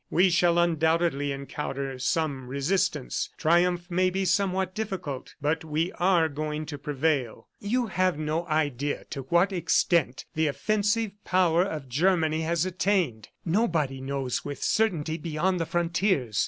We shall undoubtedly encounter some resistance; triumph may be somewhat difficult, but we are going to prevail. ... You have no idea to what extent the offensive power of Germany has attained. Nobody knows with certainty beyond the frontiers.